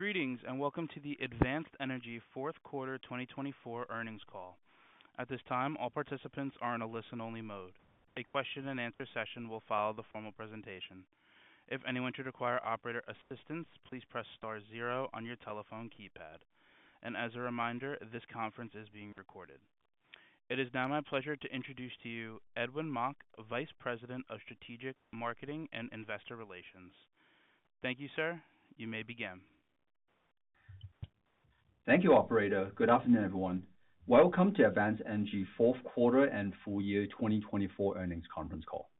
Greetings and welcome to the Advanced Energy Fourth Quarter 2024 Earnings Call. At this time, all participants are in a listen-only mode. A question-and-answer session will follow the formal presentation. If anyone should require operator assistance, please press star zero on your telephone keypad. And as a reminder, this conference is being recorded. It is now my pleasure to introduce to you Edwin Mok, Vice President of Strategic Marketing and Investor Relations. Thank you, sir. You may begin. Thank you, Operator. Good afternoon, everyone. Welcome to Advanced Energy Q4 and Full Year 2024 Earnings Conference Call.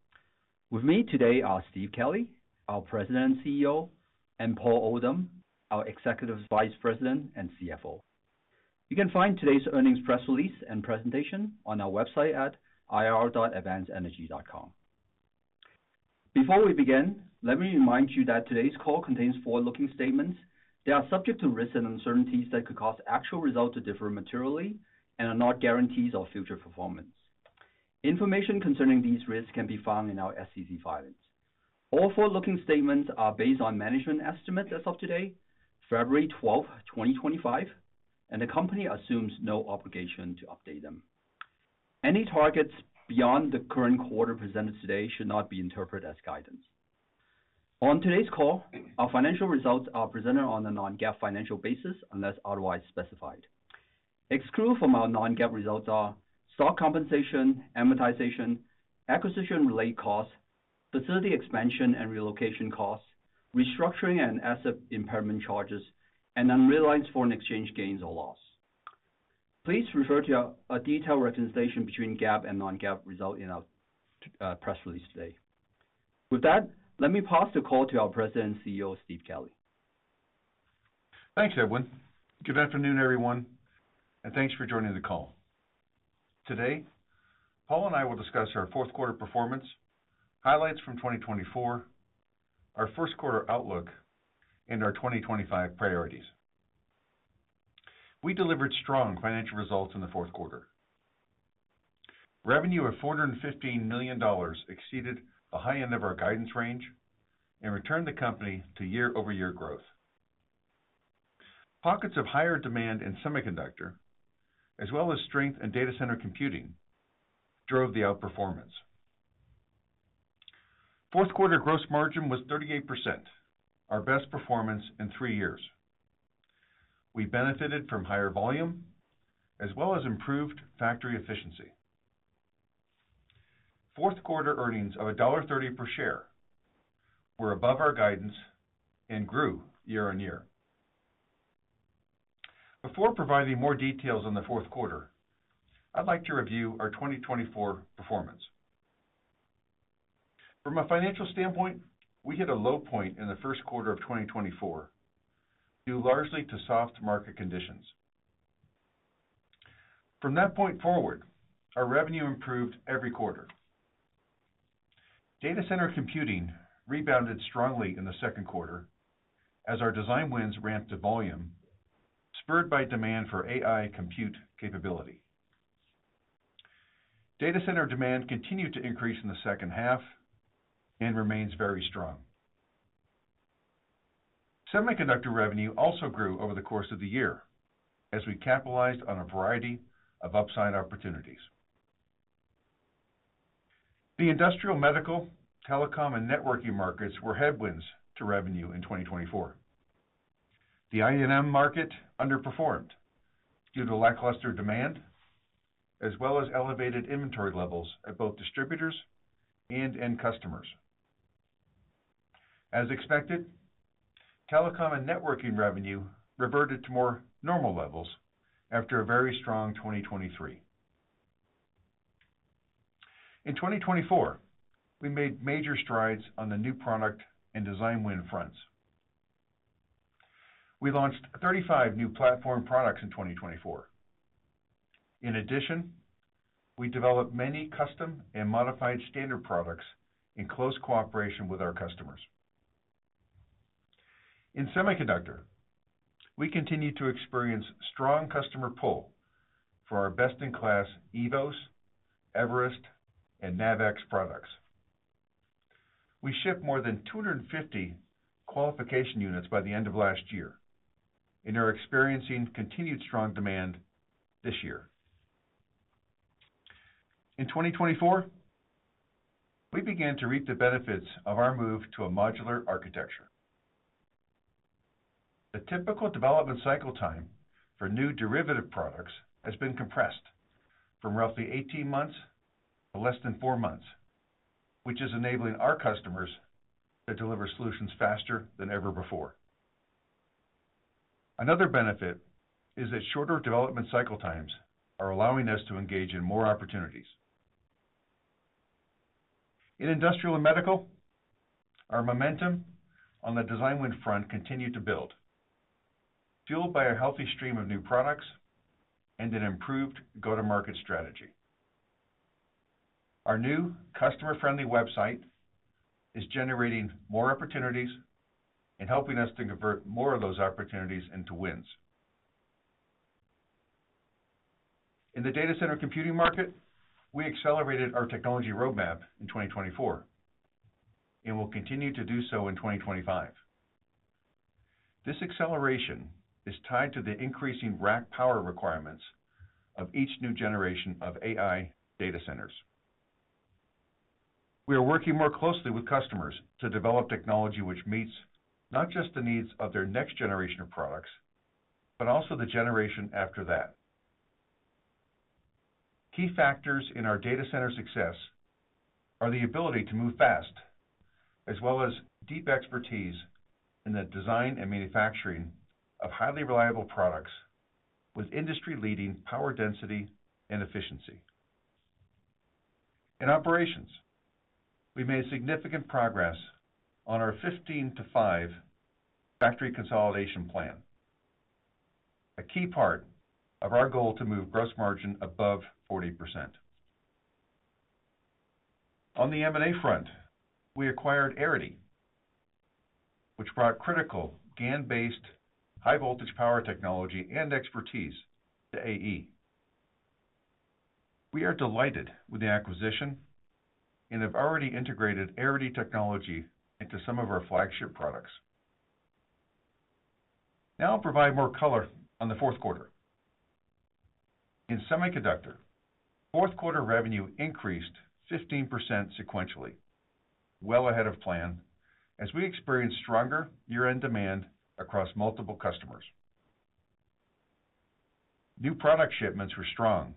With me today are Steve Kelley, our President and CEO, and Paul Oldham, our Executive Vice President and CFO. You can find today's Earnings press release and presentation on our website at ir.advancedenergy.com. Before we begin, let me remind you that today's call contains forward-looking statements. They are subject to risks and uncertainties that could cause actual results to differ materially and are not guarantees of future performance. Information concerning these risks can be found in our SEC filings. All forward-looking statements are based on management estimates as of today, February 12, 2025, and the company assumes no obligation to update them. Any targets beyond the current quarter presented today should not be interpreted as guidance. On today's Call, our financial results are presented on a non-GAAP financial basis unless otherwise specified. Excluded from our non-GAAP results are stock compensation, amortization, acquisition-related costs, facility expansion and relocation costs, restructuring and asset impairment charges, and unrealized foreign exchange gains or losses. Please refer to the detailed reconciliation between GAAP and non-GAAP results in our press release today. With that, let me pass the call to our President and CEO, Steve Kelley. Thanks, Edwin. Good afternoon, everyone, and thanks for joining the call. Today, Paul and I will discuss our Q4 performance, highlights from 2024, our Q1 outlook, and our 2025 priorities. We delivered strong financial results in the Q4. Revenue of $415,000,000 exceeded the high end of our guidance range and returned the company to year-over-year growth. Pockets of higher demand in semiconductor, as well as strength in data center computing, drove the outperformance.Q4 gross margin was 38%, our best performance in three years. We benefited from higher volume, as well as improved factory efficiency. Q4 Earnings of $1.30 per share were above our guidance and grew year on year. Before providing more details on the Q4, I'd like to review our 2024 performance. From a financial standpoint, we hit a low point in the Q1 of 2024 due largely to soft market conditions. From that point forward, our revenue improved every quarter. Data center computing rebounded strongly in the Q2 as our design wins ramped to volume, spurred by demand for AI compute capability. Data center demand continued to increase in the second half and remains very strong. Semiconductor revenue also grew over the course of the year as we capitalized on a variety of upside opportunities. The industrial, medical, telecom, and networking markets were headwinds to revenue in 2024. The I&M market underperformed due to lackluster demand, as well as elevated inventory levels at both distributors and end customers. As expected, telecom and networking revenue reverted to more normal levels after a very strong 2023. In 2024, we made major strides on the new product and design win fronts. We launched 35 new platform products in 2024. In addition, we developed many custom and modified standard products in close cooperation with our customers. In semiconductor, we continue to experience strong customer pull for our best-in-class eVoS, Everest, and NavX products. We shipped more than 250 qualification units by the end of last year, and are experiencing continued strong demand this year. In 2024, we began to reap the benefits of our move to a modular architecture. The typical development cycle time for new derivative products has been compressed from roughly 18 months to less than four months, which is enabling our customers to deliver solutions faster than ever before. Another benefit is that shorter development cycle times are allowing us to engage in more opportunities.In industrial and medical, our momentum on the design win front continued to build, fueled by a healthy stream of new products and an improved go-to-market strategy. Our new customer-friendly website is generating more opportunities and helping us to convert more of those opportunities into wins. In the data center computing market, we accelerated our technology roadmap in 2024 and will continue to do so in 2025. This acceleration is tied to the increasing rack power requirements of each new generation of AI data centers. We are working more closely with customers to develop technology which meets not just the needs of their next generation of products, but also the generation after that. Key factors in our data center success are the ability to move fast, as well as deep expertise in the design and manufacturing of highly reliable products with industry-leading power density and efficiency. In operations, we made significant progress on our 15 to 5 factory consolidation plan, a key part of our goal to move gross margin above 40%. On the M&A front, we acquired Airity, which brought critical GaN-based high-voltage power technology and expertise to AE. We are delighted with the acquisition and have already integrated Airity technology into some of our flagship products. Now I'll provide more color on the Q4. In semiconductor, Q4 revenue increased 15% sequentially, well ahead of plan, as we experienced stronger year-end demand across multiple customers. New product shipments were strong,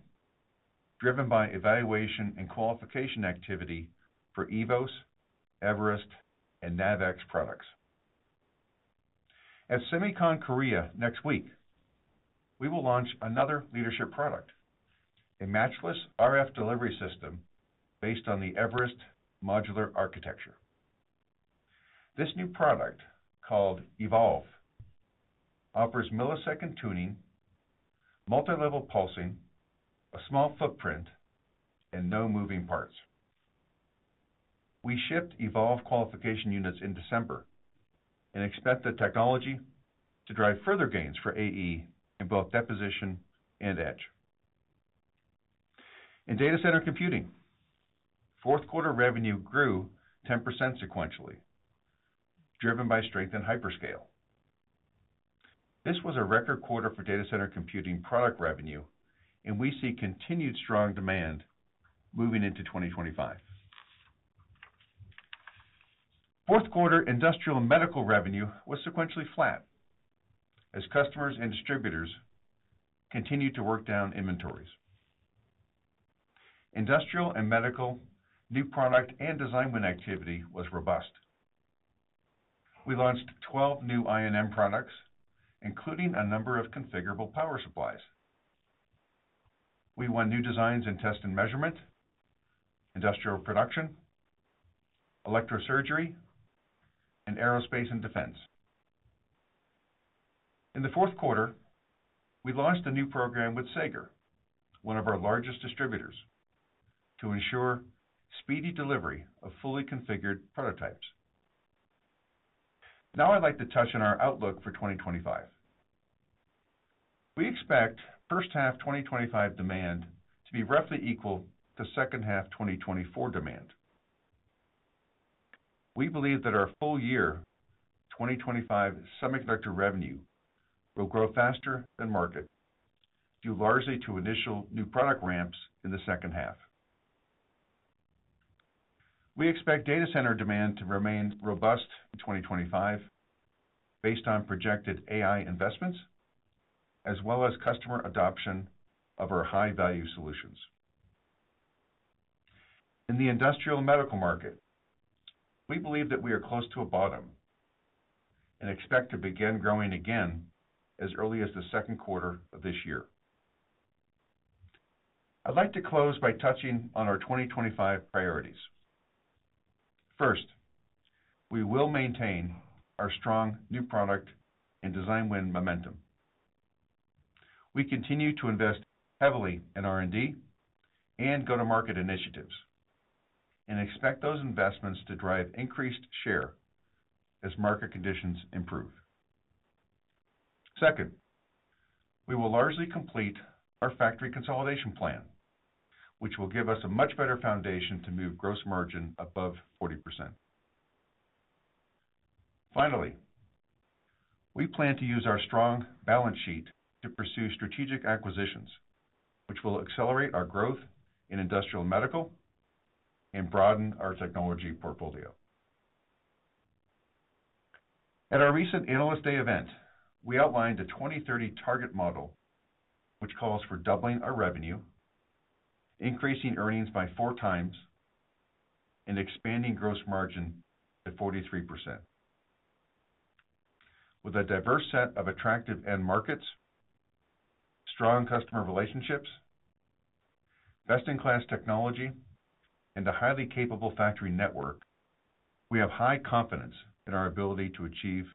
driven by evaluation and qualification activity for eVoS, Everest, and NavX products. At SEMICON Korea next week, we will launch another leadership product, a matchless RF delivery system based on the Everest modular architecture. This new product, called eVolve, offers millisecond tuning, multi-level pulsing, a small footprint, and no moving parts. We shipped eVolve qualification units in December and expect the technology to drive further gains for AE in both deposition and etch. In data center computing, Q4 revenue grew 10% sequentially, driven by strength in hyperscale. This was a record quarter for data center computing product revenue, and we see continued strong demand moving into 2025. Fourth quarter industrial and medical revenue was sequentially flat as customers and distributors continued to work down inventories. Industrial and medical new product and design win activity was robust. We launched 12 new I&M products, including a number of configurable power supplies. We won new designs in test and measurement, industrial production, electrosurgery, and aerospace and defense. In the Q4, we launched a new program with Sager, one of our largest distributors, to ensure speedy delivery of fully configured prototypes. Now I'd like to touch on our outlook for 2025.We expect first half 2025 demand to be roughly equal to second half 2024 demand. We believe that our full year 2025 semiconductor revenue will grow faster than market due largely to initial new product ramps in the second half. We expect data center demand to remain robust in 2025 based on projected AI investments, as well as customer adoption of our high-value solutions. In the industrial and medical market, we believe that we are close to a bottom and expect to begin growing again as early as the Q2 of this year. I'd like to close by touching on our 2025 priorities. First, we will maintain our strong new product and design win momentum. We continue to invest heavily in R&D and go-to-market initiatives and expect those investments to drive increased share as market conditions improve. Second, we will largely complete our factory consolidation plan, which will give us a much better foundation to move gross margin above 40%. Finally, we plan to use our strong balance sheet to pursue strategic acquisitions, which will accelerate our growth in industrial and medical and broaden our technology portfolio. At our recent Analyst Day event, we outlined a 2030 target model, which calls for doubling our revenue, increasing earnings by four times, and expanding gross margin to 43%. With a diverse set of attractive end markets, strong customer relationships, best-in-class technology, and a highly capable factory network, we have high confidence in our ability to achieve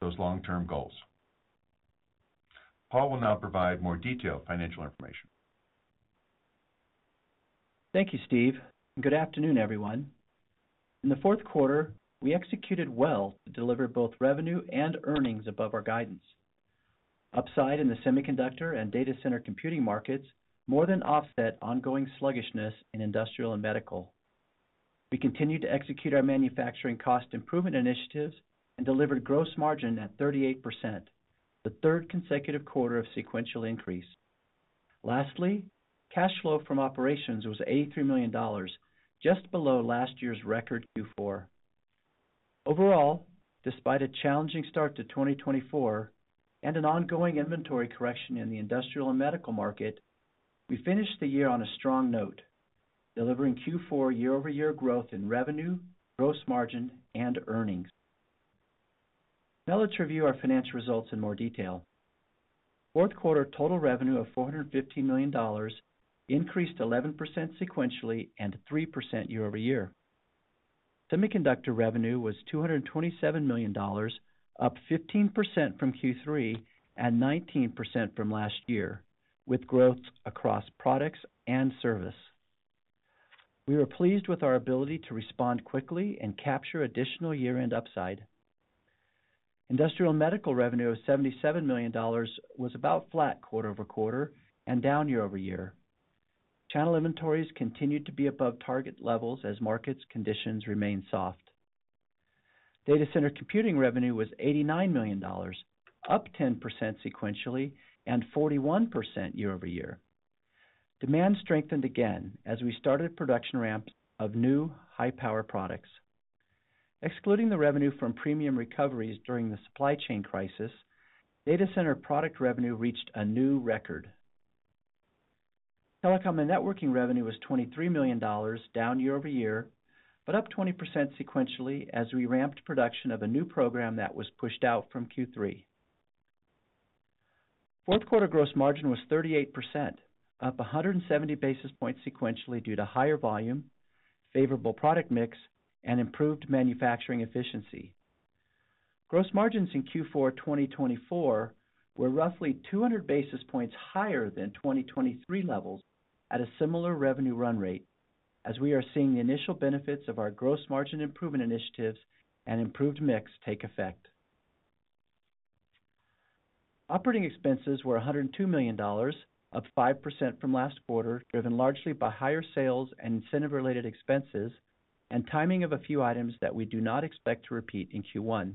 those long-term goals. Paul will now provide more detailed financial information. Thank you, Steve. Good afternoon, everyone. In the Q4, we executed well to deliver both revenue and earnings above our guidance. Upside in the semiconductor and data center computing markets more than offset ongoing sluggishness in industrial and medical. We continued to execute our manufacturing cost improvement initiatives and delivered gross margin at 38%, the third consecutive quarter of sequential increase. Lastly, cash flow from operations was $83,000,000, just below last year's record Q4. Overall, despite a challenging start to 2024 and an ongoing inventory correction in the industrial and medical market, we finished the year on a strong note, delivering Q4 year-over-year growth in revenue, gross margin, and earnings. Now let's review our financial results in more detail. Fourth quarter total revenue of $415,000,000 increased 11% sequentially and 3% year-over-year. Semiconductor revenue was $227,000,000, up 15% from Q3 and 19% from last year, with growth across products and service. We were pleased with our ability to respond quickly and capture additional year-end upside. Industrial and medical revenue of $77,000,000 was about flat quarter over quarter and down year-over-year. Channel inventories continued to be above target levels as market conditions remained soft. Data center computing revenue was $89,000,000, up 10% sequentially and 41% year-over-year. Demand strengthened again as we started production ramps of new high-power products. Excluding the revenue from premium recoveries during the supply chain crisis, Data center product revenue reached a new record. Telecom and Networking revenue was $23,000,000, down year-over-year, but up 20% sequentially as we ramped production of a new program that was pushed out from Q3.Q4 gross margin was 38%, up 170 basis points sequentially due to higher volume, favorable product mix, and improved manufacturing efficiency. Gross margins in Q4 2024 were roughly 200 basis points higher than 2023 levels at a similar revenue run rate as we are seeing the initial benefits of our gross margin improvement initiatives and improved mix take effect. Operating expenses were $102,000,000, up 5% from last quarter, driven largely by higher sales and incentive-related expenses and timing of a few items that we do not expect to repeat in Q1.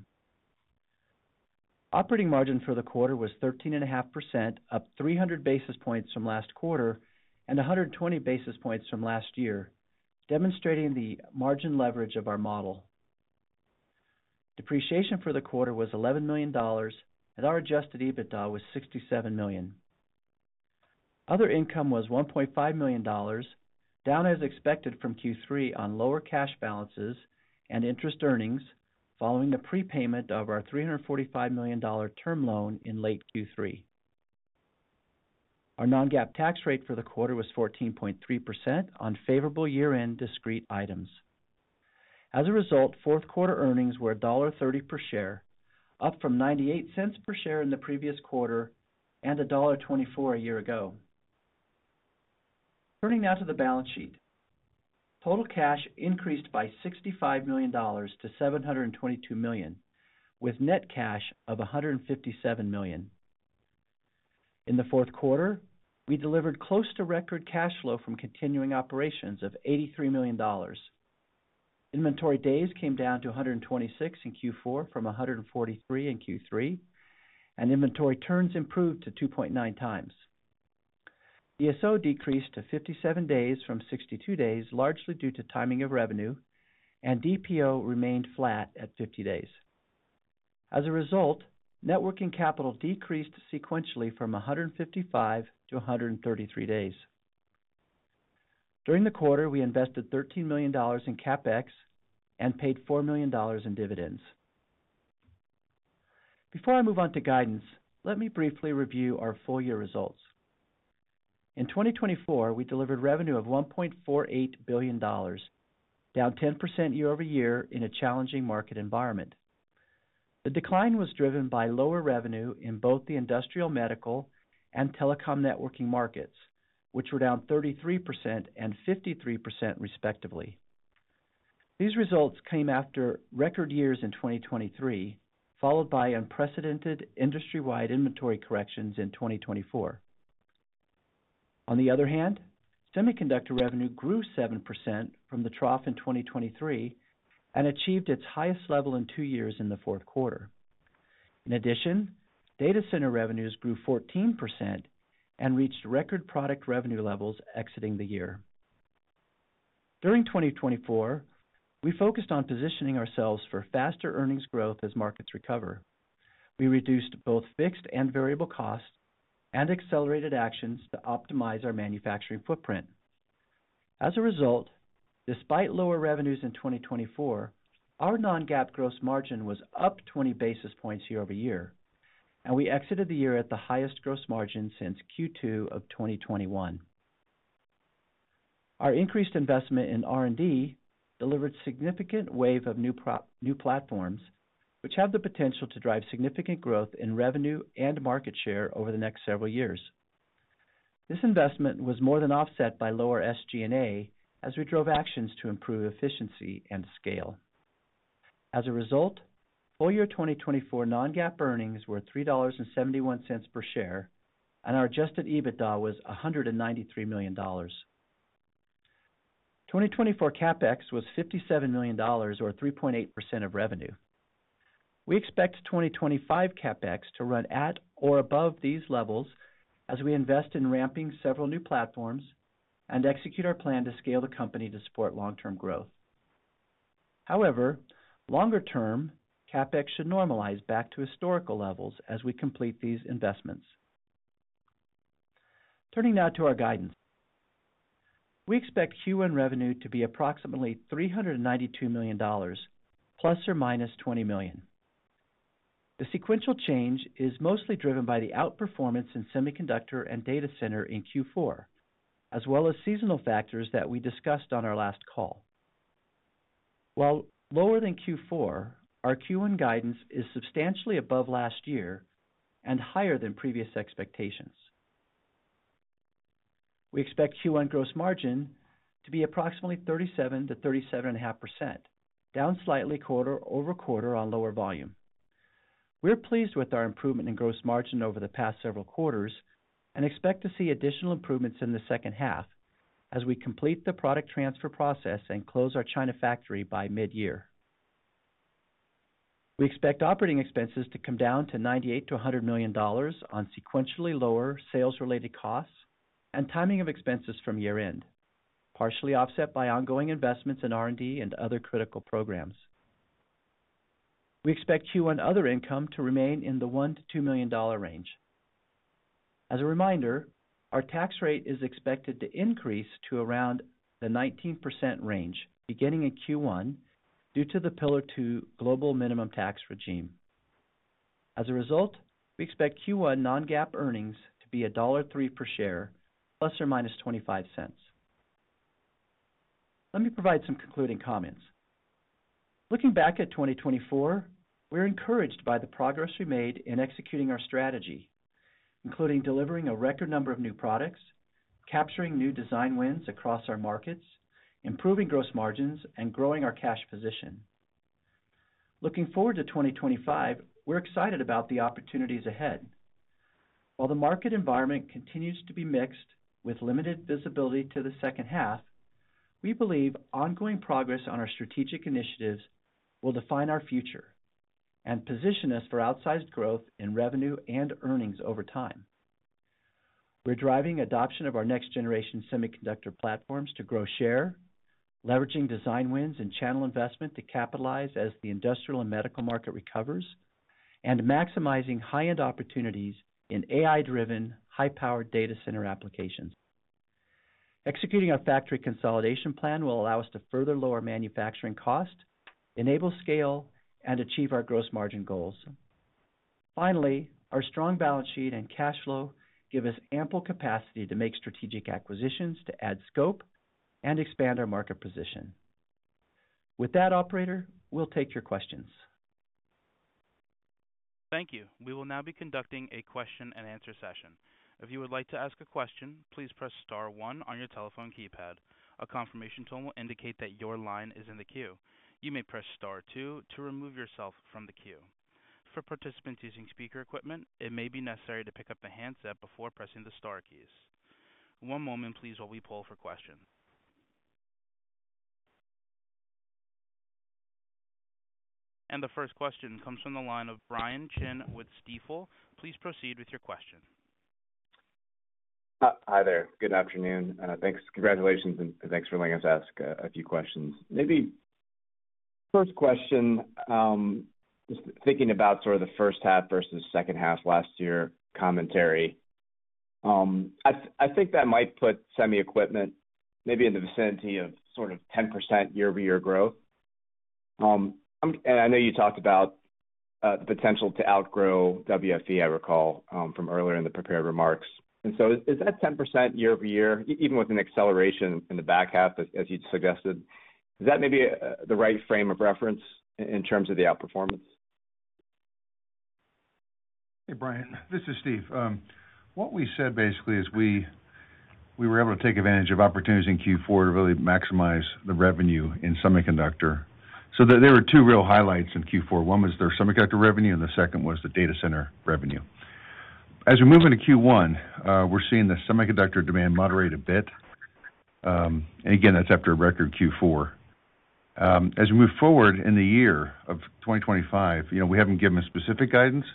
Operating margin for the quarter was 13.5%, up 300 basis points from last quarter and 120 basis points from last year, demonstrating the margin leverage of our model. Depreciation for the quarter was $11,000,000, and our adjusted EBITDA was $67,000,000. Other income was $1,500,000, down as expected from Q3 on lower cash balances and interest earnings following the prepayment of our $345,000,000 term loan in late Q3. Our non-GAAP tax rate for the quarter was 14.3% on favorable year-end discrete items. As a result, Q4 earnings were $1.30 per share, up from $0.98 per share in the previous quarter and $1.24 a year ago. Turning now to the balance sheet, total cash increased by $65,000,000 to $722,000,000, with net cash of $157 ,000,000. In the Q4, we delivered close to record cash flow from continuing operations of $83,000,000. Inventory days came down to 126 in Q4 from 143 in Q3, and inventory turns improved to 2.9 times. DSO decreased to 57 days from 62 days, largely due to timing of revenue, and DPO remained flat at 50 days. As a result, net working capital decreased sequentially from 155 to 133 days. During the quarter, we invested $13,000,000 in CapEx and paid $4,000,000 in dividends. Before I move on to guidance, let me briefly review our full year results. In 2024, we delivered revenue of $1,480,000,000, down 10% year-over-year in a challenging market environment. The decline was driven by lower revenue in both the industrial, medical, and telecom networking markets, which were down 33% and 53%, respectively. These results came after record years in 2023, followed by unprecedented industry-wide inventory corrections in 2024. On the other hand, Semiconductor revenue grew 7% from the trough in 2023 and achieved its highest level in two years in the Q4. In addition, data center revenues grew 14% and reached record product revenue levels exiting the year. During 2024, we focused on positioning ourselves for faster earnings growth as markets recover. We reduced both fixed and variable costs and accelerated actions to optimize our manufacturing footprint. As a result, despite lower revenues in 2024, our non-GAAP gross margin was up 20 basis points year-over-year, and we exited the year at the highest gross margin since Q2 of 2021. Our increased investment in R&D delivered a significant wave of new platforms, which have the potential to drive significant growth in revenue and market share over the next several years. This investment was more than offset by lower SG&A as we drove actions to improve efficiency and scale. As a result, full year 2024 non-GAAP earnings were $3.71 per share, and our adjusted EBITDA was $193,000,000. 2024 CapEx was $57,000,000, or 3.8% of revenue. We expect 2025 CapEx to run at or above these levels as we invest in ramping several new platforms and execute our plan to scale the company to support long-term growth. However, longer term, CapEx should normalize back to historical levels as we complete these investments. Turning now to our guidance, we expect Q1 revenue to be approximately $392,000,000, plus or minus $20,000,000. The sequential change is mostly driven by the outperformance in semiconductor and data center in Q4, as well as seasonal factors that we discussed on our last call. While lower than Q4, our Q1 guidance is substantially above last year and higher than previous expectations. We expect Q1 gross margin to be approximately 37%-37.5%, down slightly quarter over quarter on lower volume. We're pleased with our improvement in gross margin over the past several quarters and expect to see additional improvements in the second half as we complete the product transfer process and close our China factory by mid-year. We expect operating expenses to come down to $98,000,000-$100,000,000 on sequentially lower sales-related costs and timing of expenses from year-end, partially offset by ongoing investments in R&D and other critical programs. We expect Q1 other income to remain in the $1,000,000-$2 ,000,000 range. As a reminder, our tax rate is expected to increase to around the 19% range beginning in Q1 due to the Pillar 2 global minimum tax regime. As a result, we expect Q1 non-GAAP earnings to be $1.03 per share, plus or minus $0.25. Let me provide some concluding comments. Looking back at 2024, we're encouraged by the progress we made in executing our strategy, including delivering a record number of new products, capturing new design wins across our markets, improving gross margins, and growing our cash position. Looking forward to 2025, we're excited about the opportunities ahead. While the market environment continues to be mixed with limited visibility to the second half, we believe ongoing progress on our strategic initiatives will define our future and position us for outsized growth in revenue and earnings over time. We're driving adoption of our next-generation Semiconductor platforms to grow share, leveraging design wins and channel investment to capitalize as the industrial and medical market recovers, and maximizing high-end opportunities in AI-driven, high-powered data center applications. Executing our factory consolidation plan will allow us to further lower manufacturing costs, enable scale, and achieve our gross margin goals. Finally, our strong balance sheet and cash flow give us ample capacity to make strategic acquisitions to add scope and expand our market position. With that, Operator, we'll take your questions. Thank you. We will now be conducting a question-and-answer session. If you would like to ask a question, please press Star 1 on your telephone keypad. A confirmation tone will indicate that your line is in the queue. You may press Star 2 to remove yourself from the queue. For participants using speaker equipment, it may be necessary to pick up the handset before pressing the Star keys. One moment, please, while we poll for questions. The first question comes from the line of Brian Chin with Stifel. Please proceed with your question. Hi there. Good afternoon. Thanks. Congratulations, and thanks for letting us ask a few questions. Maybe first question, just thinking about sort of the first half versus second half last year commentary. I think that might put semi-equipment maybe in the vicinity of sort of 10% year-over-year growth, and I know you talked about the potential to outgrow WFE, I recall, from earlier in the prepared remarks, and so is that 10% year-over-year, even with an acceleration in the back half, as you suggested? Is that maybe the right frame of reference in terms of the outperformance? Hey, Brian. This is Steve. What we said, basically, is we were able to take advantage of opportunities in Q4 to really maximize the revenue in semiconductor. So there were two real highlights in Q4. One was their semiconductor revenue, and the second was the data center revenue. As we move into Q1, we're seeing the semiconductor demand moderate a bit. And again, that's after a record Q4. As we move forward in the year of 2025, we haven't given specific guidance,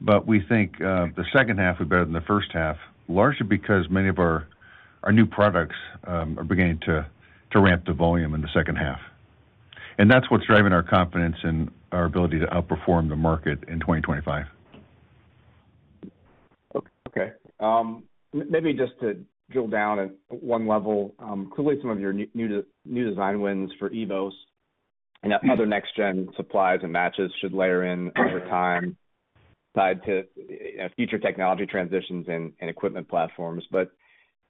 but we think the second half will be better than the first half, largely because many of our new products are beginning to ramp the volume in the second half. And that's what's driving our confidence in our ability to outperform the market in 2025. Okay. Maybe just to drill down at one level, clearly some of your new design wins for eVos and other next-gen supplies and matches should layer in over time tied to future technology transitions and equipment platforms. But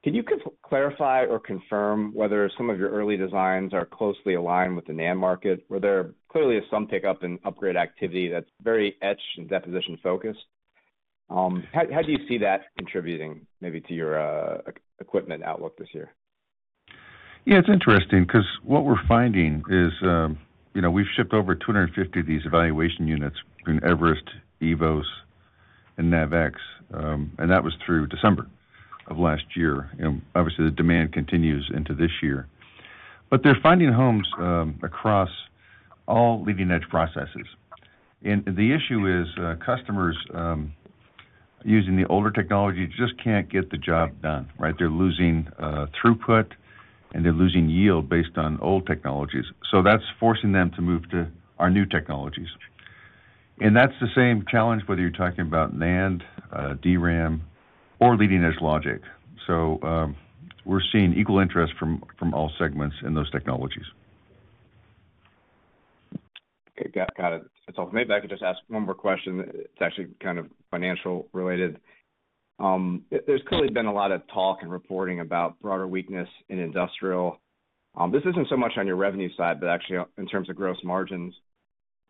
can you clarify or confirm whether some of your early designs are closely aligned with the NAND market? Where there clearly is some pickup in upgrade activity that's very etched and deposition-focused. How do you see that contributing maybe to your equipment outlook this year? Yeah, it's interesting because what we're finding is we've shipped over 250 of these evaluation units between Everest, eVoS, and NavX, and that was through December of last year. Obviously, the demand continues into this year. But they're finding homes across all leading-etch processes. And the issue is customers using the older technology just can't get the job done, right? They're losing throughput, and they're losing yield based on old technologies. So that's forcing them to move to our new technologies. And that's the same challenge whether you're talking about NAND, DRAM, or leading-etch logic. So we're seeing equal interest from all segments in those technologies. Okay. Got it. That's all. Maybe I could just ask one more question. It's actually kind of financial-related. There's clearly been a lot of talk and reporting about broader weakness in industrial. This isn't so much on your revenue side, but actually in terms of gross margins.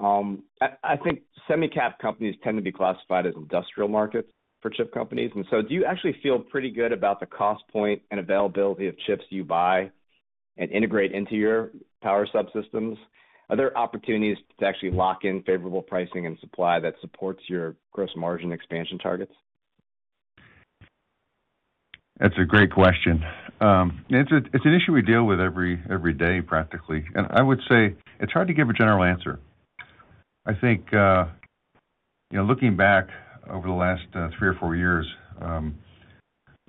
I think semi-cap companies tend to be classified as industrial markets for chip companies. And so do you actually feel pretty good about the cost point and availability of chips you buy and integrate into your power subsystems? Are there opportunities to actually lock in favorable pricing and supply that supports your gross margin expansion targets? That's a great question. It's an issue we deal with every day, practically, and I would say it's hard to give a general answer. I think looking back over the last three or four years,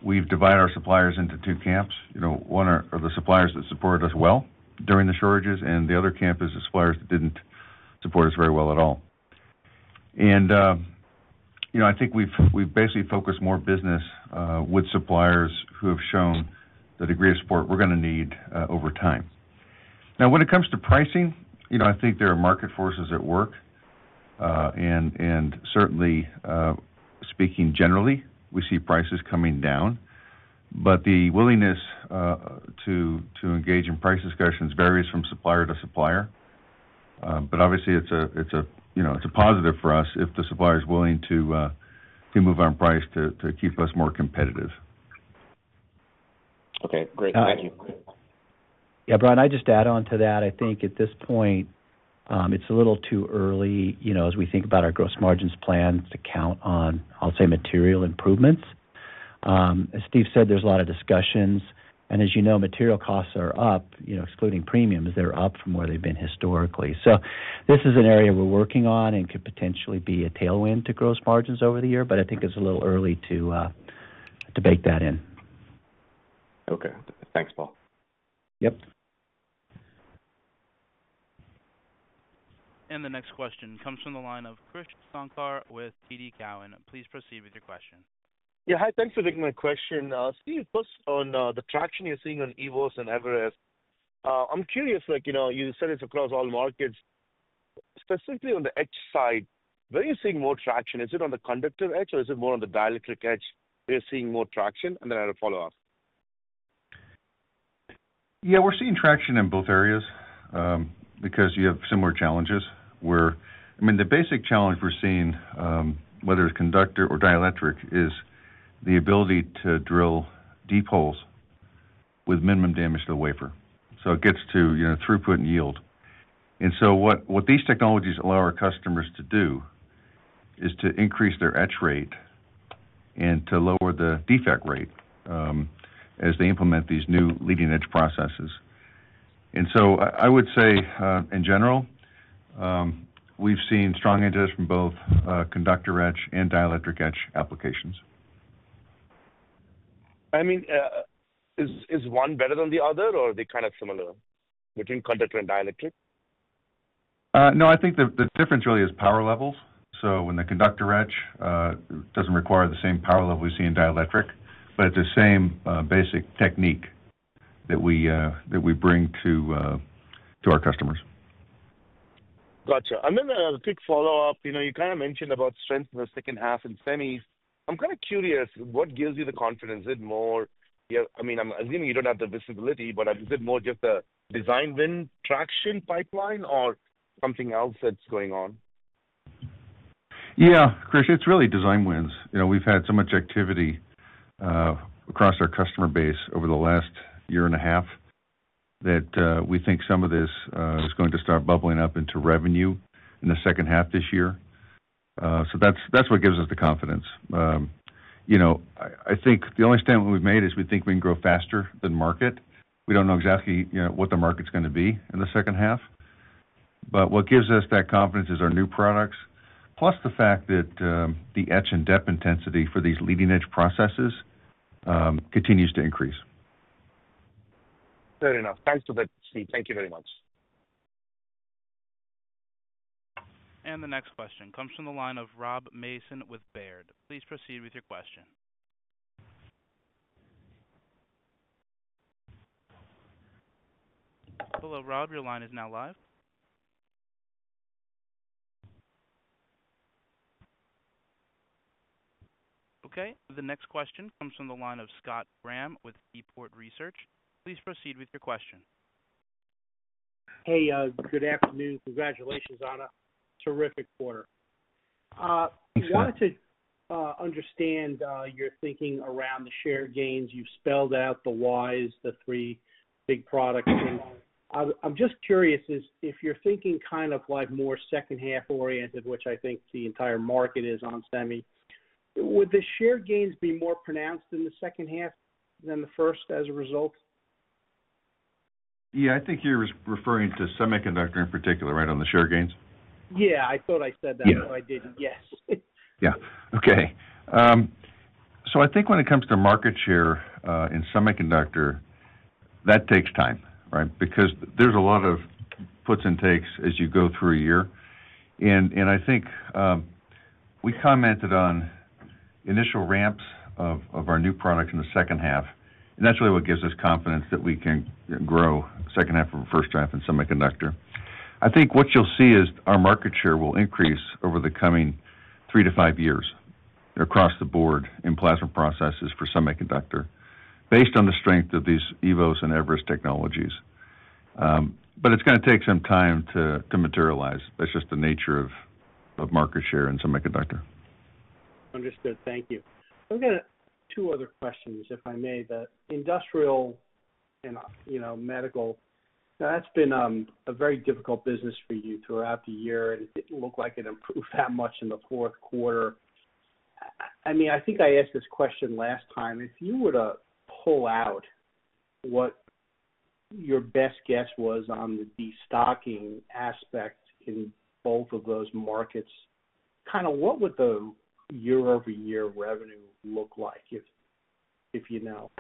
we've divided our suppliers into two camps. One are the suppliers that supported us well during the shortages, and the other camp is the suppliers that didn't support us very well at all, and I think we've basically focused more business with suppliers who have shown the degree of support we're going to need over time. Now, when it comes to pricing, I think there are market forces at work, and certainly, speaking generally, we see prices coming down, but the willingness to engage in price discussions varies from supplier to supplier, but obviously, it's a positive for us if the supplier is willing to move on price to keep us more competitive. Okay. Great. Thank you. Yeah, Brian, I'd just add on to that. I think at this point, it's a little too early as we think about our gross margins plan to count on, I'll say, material improvements. As Steve said, there's a lot of discussions. And as you know, material costs are up, excluding premiums. They're up from where they've been historically. So this is an area we're working on and could potentially be a tailwind to gross margins over the year, but I think it's a little early to bake that in. Okay. Thanks, Paul. Yep. And the next question comes from the line of Krish Sankar with TD Cowen. Please proceed with your question. Yeah. Hi. Thanks for taking my question. Steve, plus on the traction you're seeing on eVoS and Everest, I'm curious. You said it's across all markets. Specifically on the etch side, where are you seeing more traction? Is it on the conductor etch, or is it more on the dielectric etch where you're seeing more traction? And then I had a follow-up. Yeah, we're seeing traction in both areas because you have similar challenges where, I mean, the basic challenge we're seeing, whether it's conductor etch or dielectric etch, is the ability to drill deep holes with minimum damage to the wafer, so it gets to throughput and yield, and so what these technologies allow our customers to do is to increase their etch rate and to lower the defect rate as they implement these new leading-etch processes, and so I would say, in general, we've seen strong interest from both conductor etch and dielectric etch applications. I mean, is one better than the other, or are they kind of similar between conductor and dielectric? No, I think the difference really is power levels. So when the conductor etch doesn't require the same power level we see in dielectric etch, but it's the same basic technique that we bring to our customers. Gotcha. I'm going to quick follow-up. You kind of mentioned about strength in the second half in semis. I'm kind of curious, what gives you the confidence? Is it more, I mean, I'm assuming you don't have the visibility, but is it more just a design win traction pipeline or something else that's going on? Yeah, Chris, it's really design wins. We've had so much activity across our customer base over the last year and a half that we think some of this is going to start bubbling up into revenue in the second half this year. So that's what gives us the confidence. I think the only statement we've made is we think we can grow faster than market. We don't know exactly what the market's going to be in the second half. But what gives us that confidence is our new products, plus the fact that the etch and deposition intensity for these leading-etch processes continues to increase. Fair enough. Thanks for that, Steve. Thank you very much. And the next question comes from the line of Rob Mason with Baird. Please proceed with your question. Hello, Rob. Your line is now live. Okay. The next question comes from the line of Scott Graham with Seaport Research Partners. Please proceed with your question. Hey, good afternoon. Congratulations on a terrific quarter. I wanted to understand your thinking around the share gains. You spelled out the whys, the three big products. I'm just curious, if you're thinking kind of more second-half-oriented, which I think the entire market is on semi, would the share gains be more pronounced in the second half than the first as a result? Yeah, I think you're referring to semiconductor in particular, right, on the share gains? Yeah. I thought I said that, but I didn't. Yes. Yeah. Okay. So I think when it comes to market share in semiconductor, that takes time, right, because there's a lot of puts and takes as you go through a year. And I think we commented on initial ramps of our new product in the second half. And that's really what gives us confidence that we can grow second half of the first half in semiconductor. I think what you'll see is our market share will increase over the coming three to five years across the board in plasma processes for semiconductor based on the strength of these eVoS and Everest technologies. But it's going to take some time to materialize. That's just the nature of market share in Semiconductor. Understood. Thank you. I've got two other questions, if I may. The industrial and medical, that's been a very difficult business for you throughout the year, and it didn't look like it improved that much in the Q4. I mean, I think I asked this question last time. If you were to pull out what your best guess was on the destocking aspect in both of those markets, kind of what would the year-over-year revenue look like, if you know?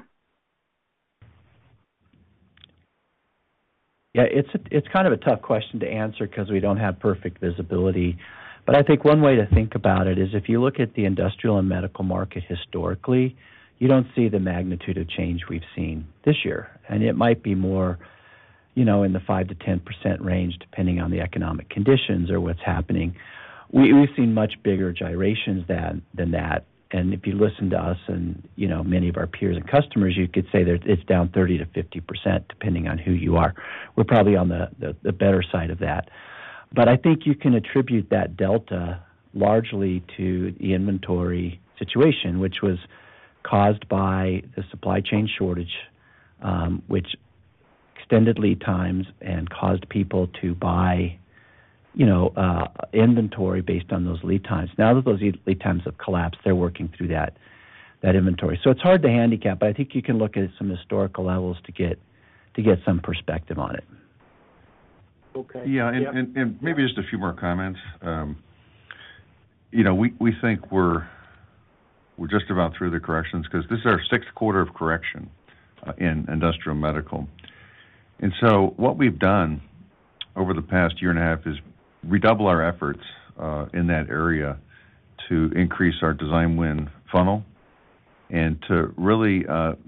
Yeah, it's kind of a tough question to answer because we don't have perfect visibility. But I think one way to think about it is if you look at the industrial and medical market historically, you don't see the magnitude of change we've seen this year. And it might be more in the 5%-10% range depending on the economic conditions or what's happening. We've seen much bigger gyrations than that. And if you listen to us and many of our peers and customers, you could say that it's down 30%-50% depending on who you are. We're probably on the better side of that. But I think you can attribute that delta largely to the inventory situation, which was caused by the supply chain shortage, which extended lead times and caused people to buy inventory based on those lead times. Now that those lead times have collapsed, they're working through that inventory. So it's hard to handicap, but I think you can look at some historical levels to get some perspective on it. Okay. And maybe just a few more comments. We think we're just about through the corrections because this is our sixth quarter of correction in industrial medical. And so what we've done over the past year and a half is redouble our efforts in that area to increase our design win funnel and to really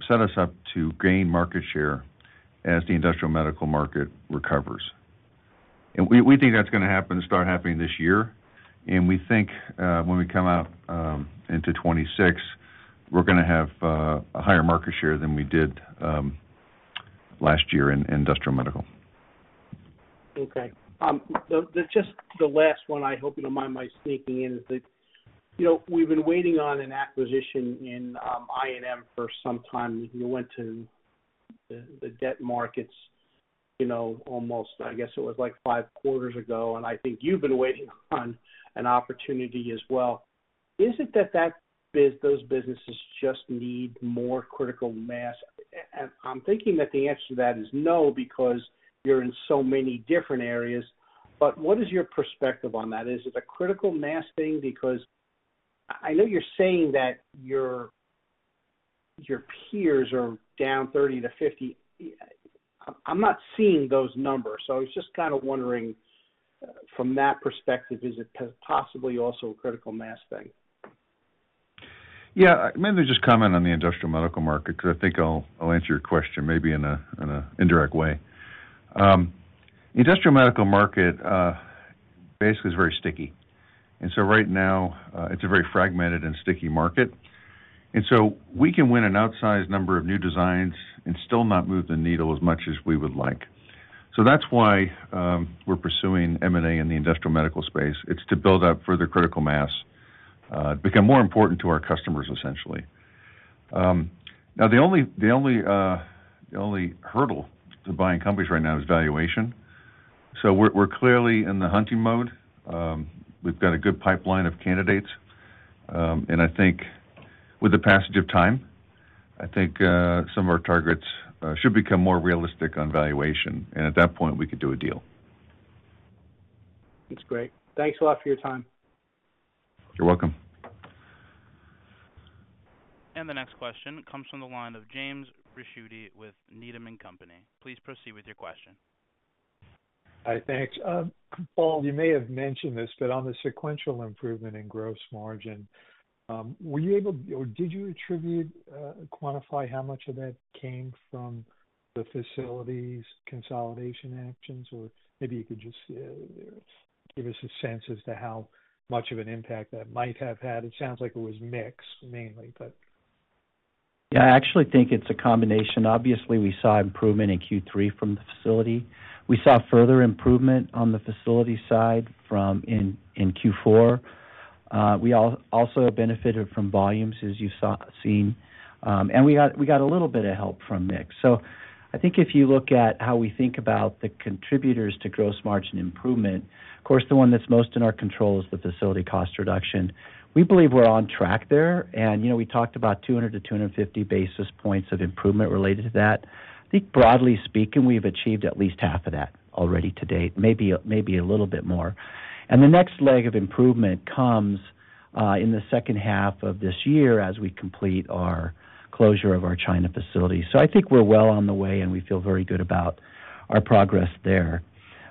set us up to gain market share as the industrial medical market recovers. And we think that's going to happen and start happening this year. And we think when we come out into 2026, we're going to have a higher market share than we did last year in industrial medical. Okay. Just the last one, I hope you don't mind my sneaking in, is that we've been waiting on an acquisition in I&M for some time. You went to the debt markets almost, I guess it was like five quarters ago. And I think you've been waiting on an opportunity as well. Is it that those businesses just need more critical mass? And I'm thinking that the answer to that is no because you're in so many different areas. But what is your perspective on that? Is it a critical mass thing? Because I know you're saying that your peers are down 30%-50%. I'm not seeing those numbers. So I was just kind of wondering, from that perspective, is it possibly also a critical mass thing? Yeah. I'm going to just comment on the industrial medical market because I think I'll answer your question maybe in an indirect way. Industrial medical market basically is very sticky, and so right now, it's a very fragmented and sticky market, and so we can win an outsized number of new designs and still not move the needle as much as we would like, so that's why we're pursuing M&A in the industrial medical space. It's to build up further critical mass, become more important to our customers, essentially. Now, the only hurdle to buying companies right now is valuation, so we're clearly in the hunting mode. We've got a good pipeline of candidates, and I think with the passage of time, I think some of our targets should become more realistic on valuation, and at that point, we could do a deal. That's great. Thanks a lot for your time. You're welcome. The next question comes from the line of James Ricchiuti with Needham & Company. Please proceed with your question. Hi. Thanks. Paul, you may have mentioned this, but on the sequential improvement in gross margin, were you able or did you attribute, quantify how much of that came from the facilities consolidation actions? Or maybe you could just give us a sense as to how much of an impact that might have had? It sounds like it was mixed mainly, but. Yeah, I actually think it's a combination. Obviously, we saw improvement in Q3 from the facility. We saw further improvement on the facility side in Q4. We also benefited from volumes, as you've seen. And we got a little bit of help from mix. So I think if you look at how we think about the contributors to gross margin improvement, of course, the one that's most in our control is the facility cost reduction. We believe we're on track there. And we talked about 200-250 basis points of improvement related to that. I think broadly speaking, we've achieved at least half of that already to date, maybe a little bit more. And the next leg of improvement comes in the second half of this year as we complete our closure of our China facility. So I think we're well on the way, and we feel very good about our progress there.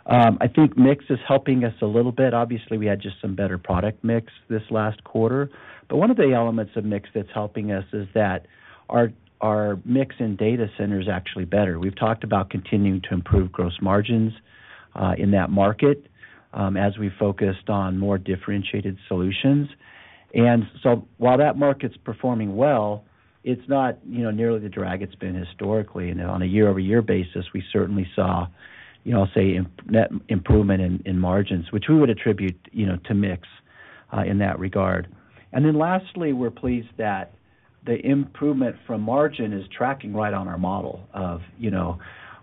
I think mix is helping us a little bit. Obviously, we had just some better product mix this last quarter. But one of the elements of mix that's helping us is that our mix in data center is actually better. We've talked about continuing to improve gross margins in that market as we've focused on more differentiated solutions. And so while that market's performing well, it's not nearly the drag it's been historically. And on a year-over-year basis, we certainly saw, I'll say, net improvement in margins, which we would attribute to mix in that regard. And then lastly, we're pleased that the improvement from margin is tracking right on our model of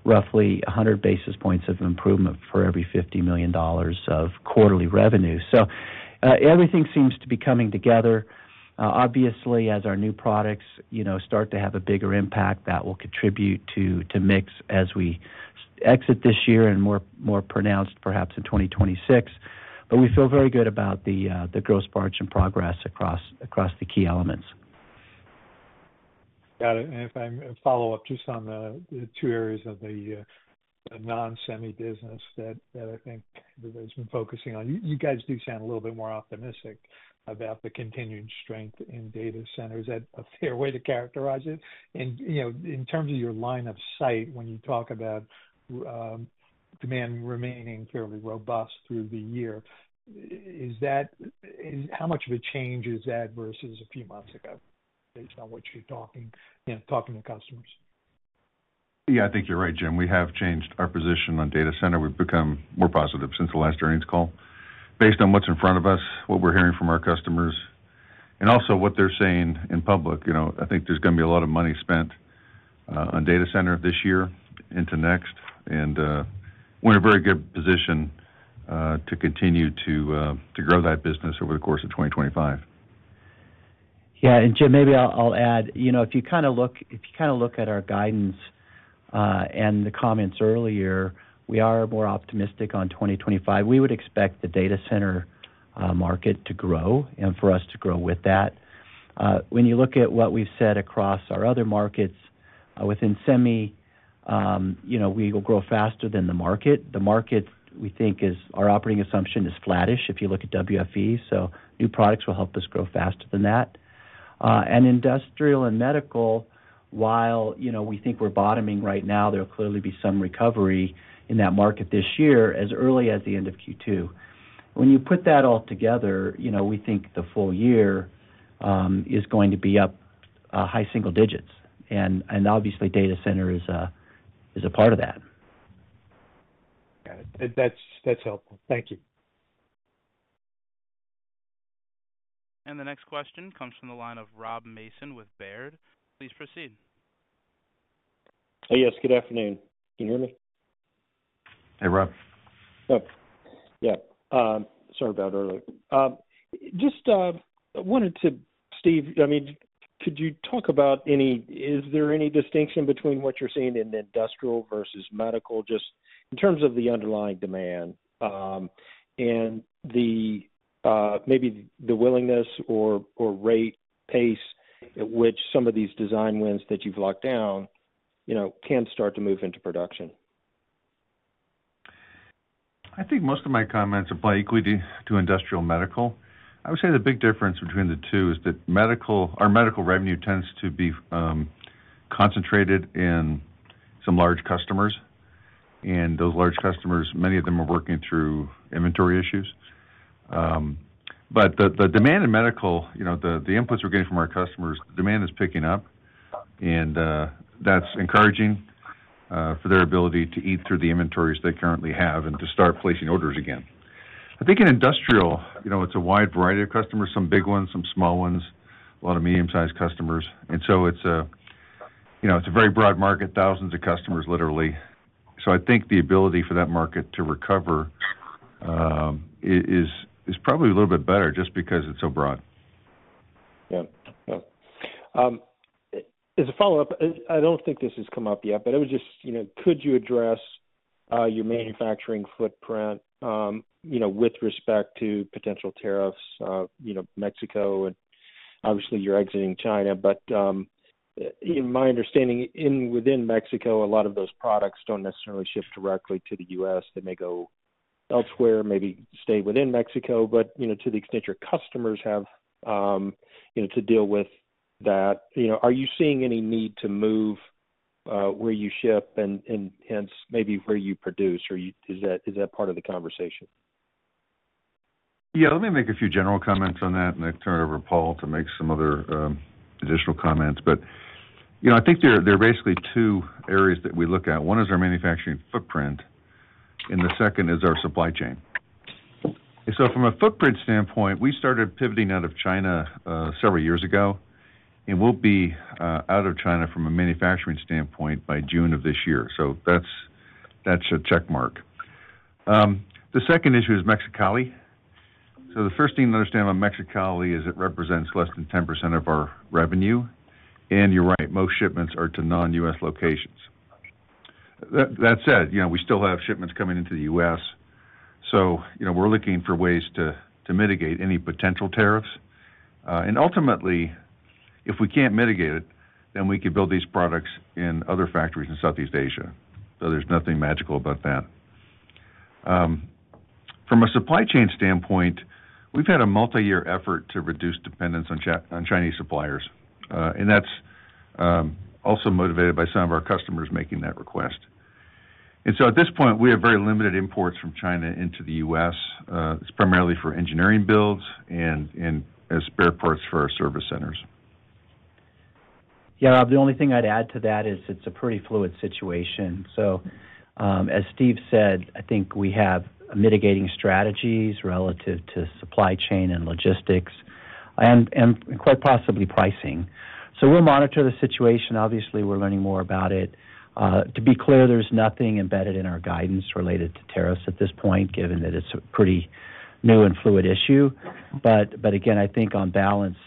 roughly 100 basis points of improvement for every $50,000,000 of quarterly revenue. So everything seems to be coming together. Obviously, as our new products start to have a bigger impact, that will contribute to mix as we exit this year and more pronounced, perhaps, in 2026. But we feel very good about the gross margin progress across the key elements. Got it. And if I follow up just on the two areas of the non-semi business that I think everybody's been focusing on, you guys do sound a little bit more optimistic about the continued strength in data centers. Is that a fair way to characterize it? And in terms of your line of sight, when you talk about demand remaining fairly robust through the year, how much of a change is that versus a few months ago based on what you're talking to customers? Yeah, I think you're right, Jim. We have changed our position on data center. We've become more positive since the last Earnings Call based on what's in front of us, what we're hearing from our customers, and also what they're saying in public. I think there's going to be a lot of money spent on data center this year into next. And we're in a very good position to continue to grow that business over the course of 2025. Yeah. And Jim, maybe I'll add, if you kind of look at our guidance and the comments earlier, we are more optimistic on 2025. We would expect the data center market to grow and for us to grow with that. When you look at what we've said across our other markets within semi, we will grow faster than the market. The market, we think, our operating assumption is flattish if you look at WFE. So new products will help us grow faster than that. And industrial and medical, while we think we're bottoming right now, there'll clearly be some recovery in that market this year as early as the end of Q2. When you put that all together, we think the full year is going to be up high single digits. And obviously, data center is a part of that. Got it. That's helpful. Thank you. And the next question comes from the line of Rob Mason with Baird. Please proceed. Hey, yes. Good afternoon. Can you hear me? Hey, Rob. Oh, yeah. Sorry about earlier. Just wanted to, Steve, I mean, could you talk about any? Is there any distinction between what you're seeing in industrial versus medical, just in terms of the underlying demand and maybe the willingness or rate pace at which some of these design wins that you've locked down can start to move into production? I think most of my comments are probably equally to industrial medical. I would say the big difference between the two is that our medical revenue tends to be concentrated in some large customers, and those large customers, many of them are working through inventory issues, but the demand in medical, the inputs we're getting from our customers, the demand is picking up, and that's encouraging for their ability to eat through the inventories they currently have and to start placing orders again. I think in industrial, it's a wide variety of customers, some big ones, some small ones, a lot of medium-sized customers, and so it's a very broad market, thousands of customers, literally. So I think the ability for that market to recover is probably a little bit better just because it's so broad. Yeah. Yeah. As a follow-up, I don't think this has come up yet, but I would just. Could you address your manufacturing footprint with respect to potential tariffs? Mexico, and obviously, you're exiting China. But in my understanding, within Mexico, a lot of those products don't necessarily ship directly to the U.S. They may go elsewhere, maybe stay within Mexico. But to the extent your customers have to deal with that, are you seeing any need to move where you ship and hence maybe where you produce? Or is that part of the conversation? Yeah. Let me make a few general comments on that, and I turn it over to Paul to make some other additional comments, but I think there are basically two areas that we look at. One is our manufacturing footprint, and the second is our supply chain, and so from a footprint standpoint, we started pivoting out of China several years ago, and we'll be out of China from a manufacturing standpoint by June of this year. So that's a checkmark, the second issue is Mexicali, so the first thing to understand about Mexicali is it represents less than 10% of our revenue, and you're right, most shipments are to non-US locations. That said, we still have shipments coming into the U.S., so we're looking for ways to mitigate any potential tariffs. Ultimately, if we can't mitigate it, then we could build these products in other factories in Southeast Asia. So there's nothing magical about that. From a supply chain standpoint, we've had a multi-year effort to reduce dependence on Chinese suppliers. That's also motivated by some of our customers making that request. So at this point, we have very limited imports from China into the U.S. It's primarily for engineering builds and as spare parts for our service centers. Yeah. Rob, the only thing I'd add to that is it's a pretty fluid situation. So as Steve said, I think we have mitigating strategies relative to supply chain and logistics and quite possibly pricing. So we'll monitor the situation. Obviously, we're learning more about it. To be clear, there's nothing embedded in our guidance related to tariffs at this point, given that it's a pretty new and fluid issue. But again, I think on balance,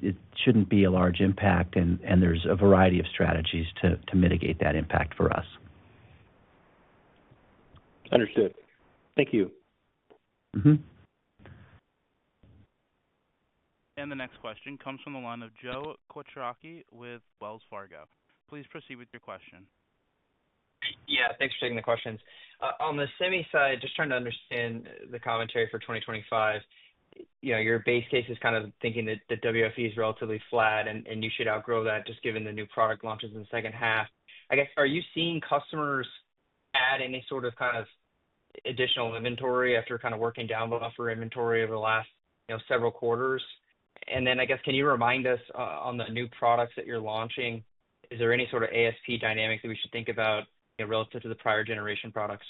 it shouldn't be a large impact, and there's a variety of strategies to mitigate that impact for us. Understood. Thank you. The next question comes from the line of Joe Quatrochi with Wells Fargo. Please proceed with your question. Yeah. Thanks for taking the questions. On the semi side, just trying to understand the commentary for 2025. Your base case is kind of thinking that the WFE is relatively flat, and you should outgrow that just given the new product launches in the second half. I guess, are you seeing customers add any sort of kind of additional inventory after kind of working down buffer inventory over the last several quarters? And then I guess, can you remind us on the new products that you're launching, is there any sort of ASP dynamic that we should think about relative to the prior generation products?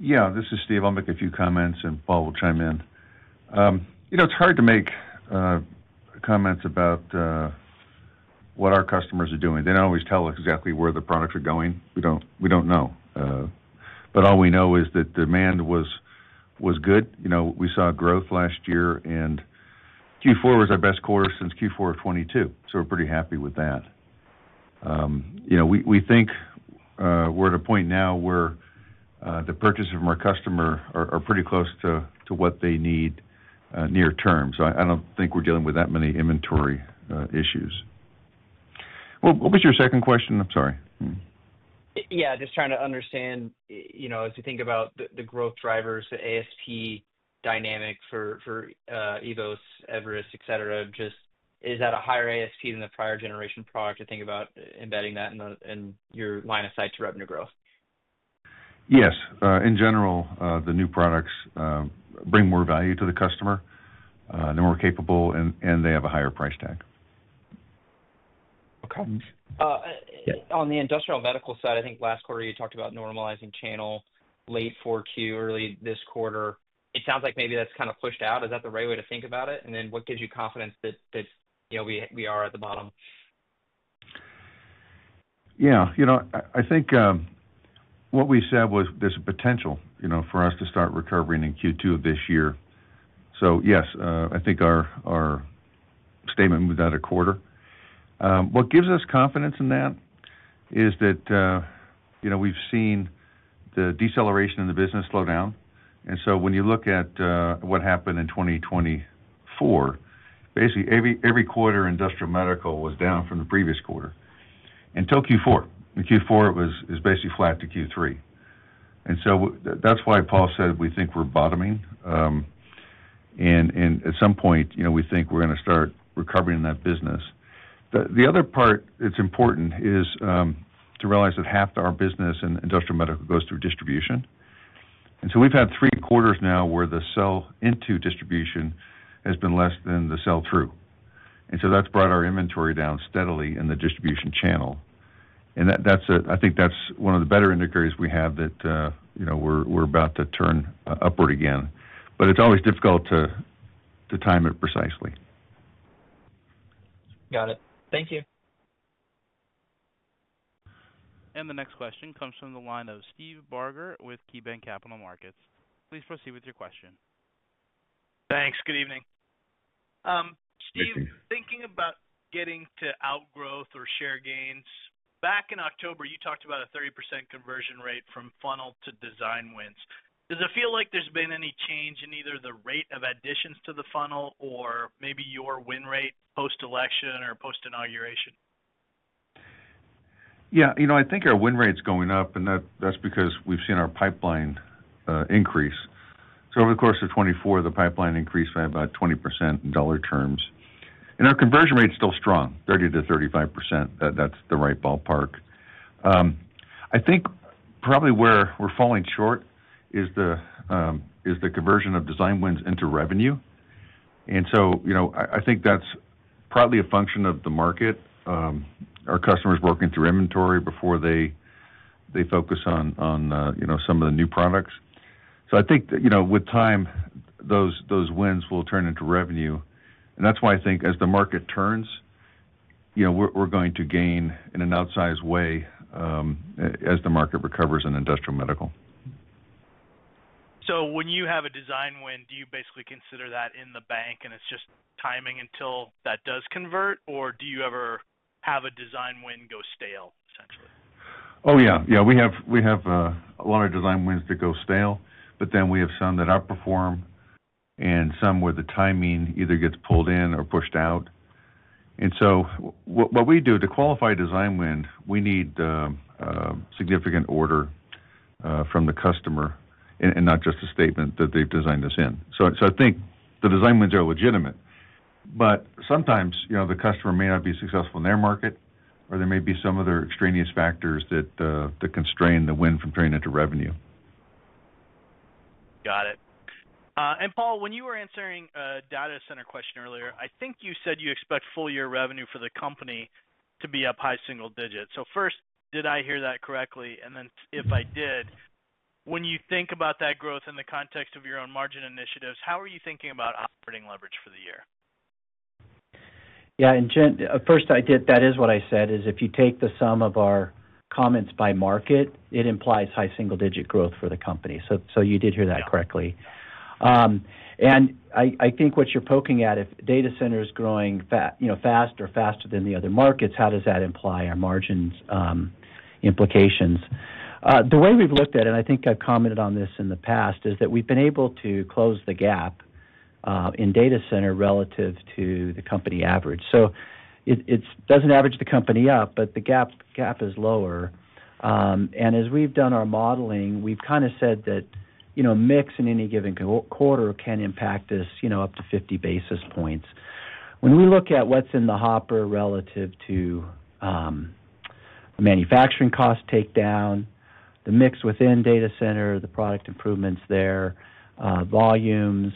Yeah. This is Steve. I'll make a few comments, and Paul will chime in. It's hard to make comments about what our customers are doing. They don't always tell us exactly where the products are going. We don't know. But all we know is that demand was good. We saw growth last year, and Q4 was our best quarter since Q4 of 2022. So we're pretty happy with that. We think we're at a point now where the purchases from our customer are pretty close to what they need near term. So I don't think we're dealing with that many inventory issues. What was your second question? I'm sorry. Yeah. Just trying to understand, as we think about the growth drivers, the ASP dynamic for eVoS, Everest, etc., just is that a higher ASP than the prior generation product to think about embedding that in your line of sight to revenue growth? Yes. In general, the new products bring more value to the customer. They're more capable, and they have a higher price tag. Okay. On the industrial medical side, I think last quarter you talked about normalizing channel late Q4, early this quarter. It sounds like maybe that's kind of pushed out. Is that the right way to think about it? And then what gives you confidence that we are at the bottom? Yeah. I think what we said was there's a potential for us to start recovering in Q2 of this year. So yes, I think our statement moved out a quarter. What gives us confidence in that is that we've seen the deceleration in the business slow down. And so when you look at what happened in 2024, basically every quarter industrial medical was down from the previous quarter. And Q4, Q4 is basically flat to Q3. And so that's why Paul said we think we're bottoming. And at some point, we think we're going to start recovering that business. The other part that's important is to realize that half of our business in industrial medical goes through distribution. And so we've had three quarters now where the sell-into distribution has been less than the sell-through. And so that's brought our inventory down steadily in the distribution channel.I think that's one of the better indicators we have that we're about to turn upward again. But it's always difficult to time it precisely. Got it. Thank you. And the next question comes from the line of Steve Barger with KeyBanc Capital Markets. Please proceed with your question. Thanks. Good evening. Good evening. Steve, thinking about getting to outgrowth or share gains, back in October, you talked about a 30% conversion rate from funnel to design wins. Does it feel like there's been any change in either the rate of additions to the funnel or maybe your win rate post-election or post-inauguration? Yeah. I think our win rate's going up, and that's because we've seen our pipeline increase. So over the course of 2024, the pipeline increased by about 20% in dollar terms. And our conversion rate's still strong, 30%-35%. That's the right ballpark. I think probably where we're falling short is the conversion of design wins into revenue. And so I think that's probably a function of the market, our customers working through inventory before they focus on some of the new products. So I think with time, those wins will turn into revenue. And that's why I think as the market turns, we're going to gain in an outsized way as the market recovers in industrial medical. So when you have a design win, do you basically consider that in the bank and it's just timing until that does convert? Or do you ever have a design win go stale, essentially? Oh, yeah. Yeah. We have a lot of design wins that go stale, but then we have some that outperform and some where the timing either gets pulled in or pushed out, and so what we do to qualify a design win, we need significant order from the customer and not just a statement that they've designed us in, so I think the design wins are legitimate, but sometimes the customer may not be successful in their market, or there may be some other extraneous factors that constrain the win from turning into revenue. Got it. And Paul, when you were answering a data center question earlier, I think you said you expect full-year revenue for the company to be up high single digits. So first, did I hear that correctly? And then if I did, when you think about that growth in the context of your own margin initiatives, how are you thinking about operating leverage for the year? Yeah. And first, that is what I said is if you take the sum of our comments by market, it implies high single-digit growth for the company. So you did hear that correctly. And I think what you're poking at, if data center is growing faster than the other markets, how does that imply our margins implications? The way we've looked at it, and I think I've commented on this in the past, is that we've been able to close the gap in data center relative to the company average. So it doesn't average the company up, but the gap is lower. And as we've done our modeling, we've kind of said that a mix in any given quarter can impact this up to 50 basis points. When we look at what's in the hopper relative to manufacturing cost takedown, the mix within data center, the product improvements there, volumes,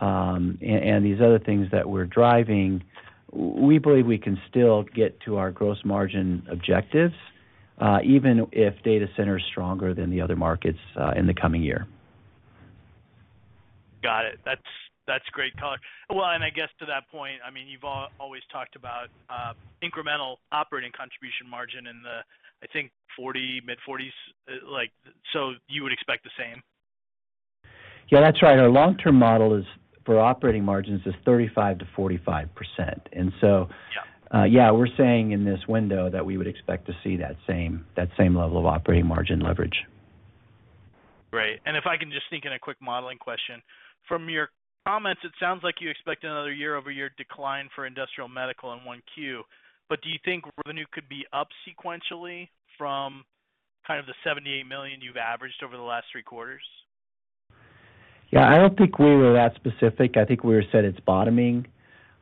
and these other things that we're driving, we believe we can still get to our gross margin objectives even if data center is stronger than the other markets in the coming year. Got it. That's great color. Well, and I guess to that point, I mean, you've always talked about incremental operating contribution margin in the, I think,40, mid-40s. So you would expect the same? Yeah, that's right. Our long-term model for operating margins is 35%-45%. And so yeah, we're saying in this window that we would expect to see that same level of operating margin leverage. Great. And if I can just sneak in a quick modeling question. From your comments, it sounds like you expect another year-over-year decline for industrial medical in Q1. But do you think revenue could be up sequentially from kind of the $78,000,000 you've averaged over the last three quarters? Yeah. I don't think we were that specific. I think we said it's bottoming.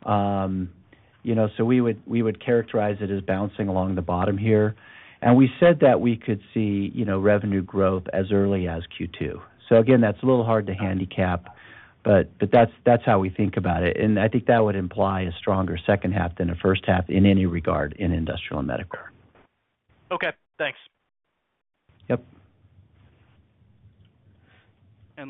So we would characterize it as bouncing along the bottom here. And we said that we could see revenue growth as early as Q2. So again, that's a little hard to handicap, but that's how we think about it. And I think that would imply a stronger second half than a first half in any regard in industrial medical. Okay. Thanks. Yep.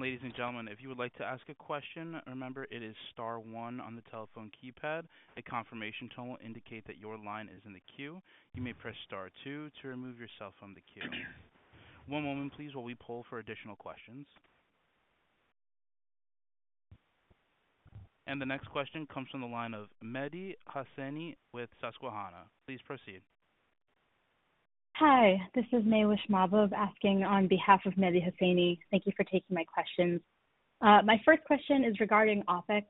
Ladies and gentlemen, if you would like to ask a question, remember it is star one on the telephone keypad. A confirmation tone will indicate that your line is in the queue. You may press star two to remove yourself from the queue. One moment, please, while we poll for additional questions. The next question comes from the line of Mehdi Hosseini with Susquehanna. Please proceed. Hi. This is Mehvish Moochhala asking on behalf of Mehdi Hosseini. Thank you for taking my questions. My first question is regarding OpEx.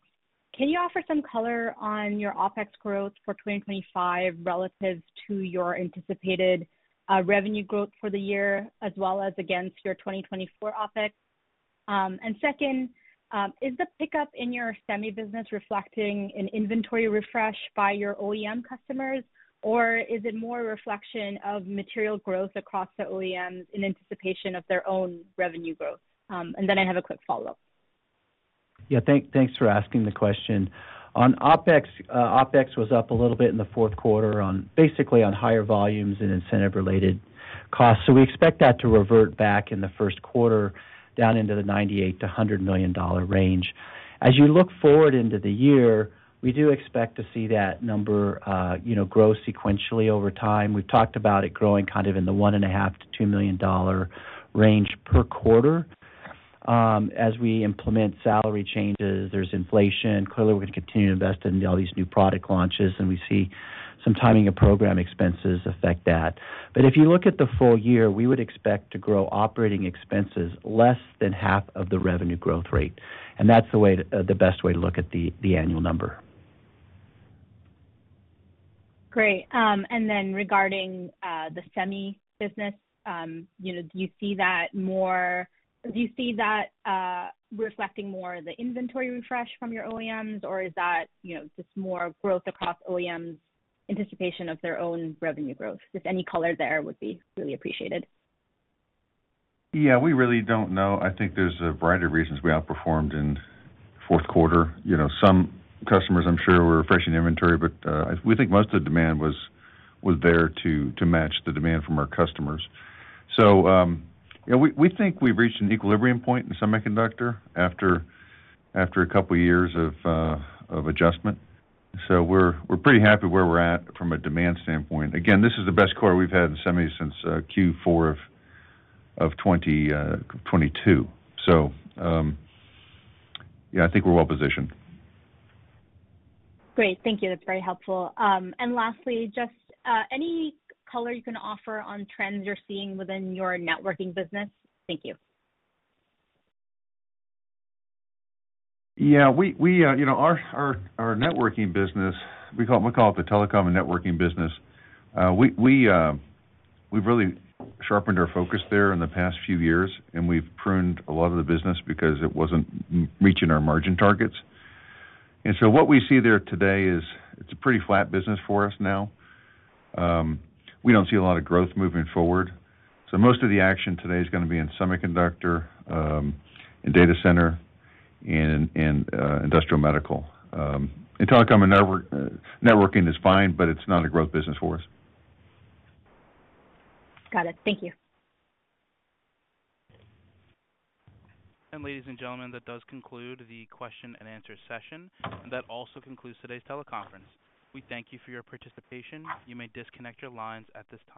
Can you offer some color on your OpEx growth for 2025 relative to your anticipated revenue growth for the year, as well as against your 2024 OpEx? And second, is the pickup in your semi business reflecting an inventory refresh by your OEM customers, or is it more a reflection of material growth across the OEMs in anticipation of their own revenue growth? And then I have a quick follow-up. Yeah. Thanks for asking the question. On OpEx, OpEx was up a little bit in the Q4 on basically on higher volumes and incentive-related costs. So we expect that to revert back in the Q1 down into the $98,000,000-$100,000,000 range. As you look forward into the year, we do expect to see that number grow sequentially over time. We've talked about it growing kind of in the $1,500,000-$2,000,000 range per quarter. As we implement salary changes, there's inflation. Clearly, we're going to continue to invest in all these new product launches, and we see some timing of program expenses affect that. But if you look at the full year, we would expect to grow operating expenses less than half of the revenue growth rate. And that's the best way to look at the annual number. Great. And then regarding the semi business, do you see that reflecting more of the inventory refresh from your OEMs, or is that just more growth across OEMs' anticipation of their own revenue growth? Just any color there would be really appreciated. Yeah. We really don't know. I think there's a variety of reasons we outperformed in Q4. Some customers, I'm sure, were refreshing inventory, but we think most of the demand was there to match the demand from our customers. So we think we've reached an equilibrium point in semiconductor after a couple of years of adjustment. So we're pretty happy where we're at from a demand standpoint. Again, this is the best quarter we've had in semi since Q4 of 2022. So yeah, I think we're well positioned. Great. Thank you. That's very helpful. And lastly, just any color you can offer on trends you're seeing within your Networking business? Thank you. Yeah. Our networking business, we call it the Telecom and Networking business. We've really sharpened our focus there in the past few years, and we've pruned a lot of the business because it wasn't reaching our margin targets. And so what we see there today is it's a pretty flat business for us now. We don't see a lot of growth moving forward. So most of the action today is going to be in semiconductor, in data center, and industrial medical. And Telecom and Networking is fine, but it's not a growth business for us. Got it. Thank you. Ladies and gentlemen, that does conclude the question and answer session. That also concludes today's Teleconference. We thank you for your participation. You may disconnect your lines at this time.